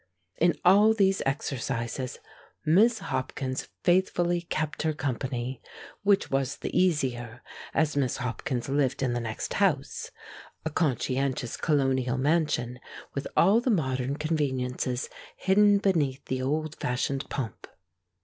In all these exercises Miss Hopkins faithfully kept her company, which was the easier as Miss Hopkins lived in the next house, a conscientious Colonial mansion with all the modern conveniences hidden beneath the old fashioned pomp.